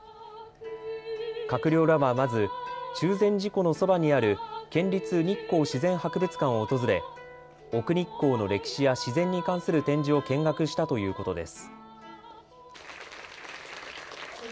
閣僚らはまず中禅寺湖のそばにある県立日光自然博物館を訪れ奥日光の歴史や自然に関する展示を見学したということです。